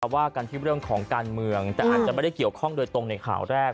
ว่ากันที่เรื่องของการเมืองแต่อาจจะไม่ได้เกี่ยวข้องโดยตรงในข่าวแรก